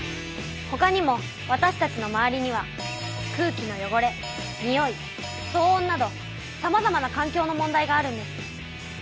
ほかにもわたしたちの周りには空気の汚れ臭い騒音などさまざまな環境の問題があるんです。